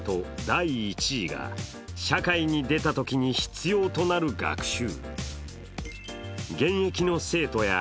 第１位が社会に出たときに必要となる学習。